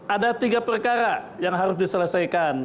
ada tiga perkara yang harus diselesaikan